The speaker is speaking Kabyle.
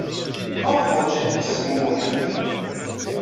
Maɣef werjin tettezmumugemt?